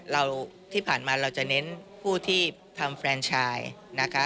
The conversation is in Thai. ที่ผ่านมาเราจะเน้นผู้ที่ทำแฟนชายนะคะ